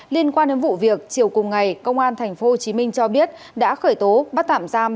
liên quan đến vụ việc chiều cùng ngày công an tp hcm cho biết đã khởi tố bắt tạm giam